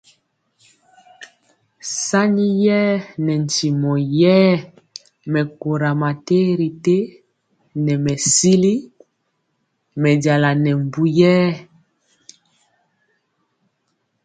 Sani yɛɛ nɛ ntimɔ yɛé mɛkora ma terité nɛ mɛsili mɛ jala nɛ mbu yɛɛ.